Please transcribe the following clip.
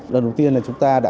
lần đầu tiên là chúng ta đã